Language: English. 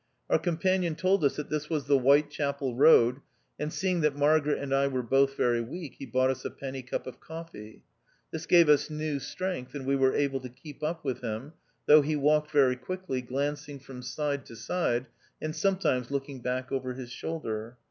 Our companion told us that this was the WHiitechapel Eoad, and seeing that Margaret and I were both very weak, he bought us a p nny cup of coffee. This gave us new stx ength, and we were able to keep up with him, though he walked very quickly, glanc iu< from side to side, and sometimes looking back over his shoulder.